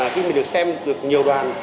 khi mình được xem được nhiều đoàn